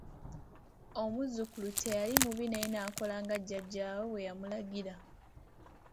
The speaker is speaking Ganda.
Omuzzukulu teyali mubi naye n'akola nga jjajjaawe bwe yamulagira.